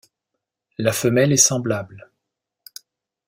La femelle est semblable.